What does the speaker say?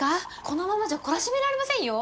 このままじゃ懲らしめられませんよ？